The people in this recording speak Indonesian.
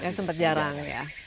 ya sempat jarang ya